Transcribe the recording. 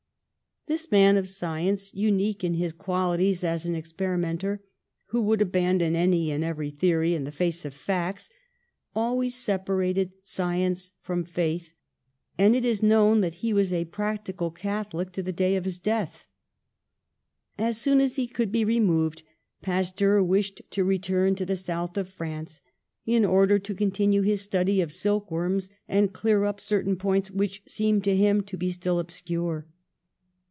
This man of science, unique in his qualities as an ex perimenter, who would abandon any and every theory in the face of facts, always separated science from Faith, and it is known that he was a practical Catholic to the day of his death. As soon as he could be removed Pasteur wished to return to the south of France, in or der to continue his study of silk worms, and clear up certain points which seemed to him to be still obscure.